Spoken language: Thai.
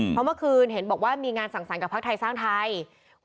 เพราะเมื่อคืนเห็นบอกว่ามีจันรย์ถามนำซักหนังงานสร้างภาคไทยสร้างไทย